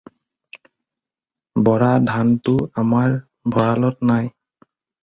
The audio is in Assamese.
বৰাধানতো আমাৰ ভঁৰালত নাই।